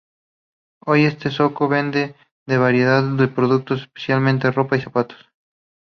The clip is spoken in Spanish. Hoy, este zoco vende una variedad de productos, especialmente ropa y zapatos.